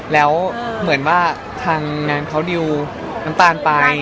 แล้วเหมือนว่าทางงานเขาดิวน้ำตาลไป